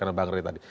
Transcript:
karena bang rini tadi